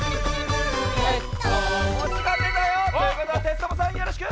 ほしがでたよ。ということはテツトモさんよろしく！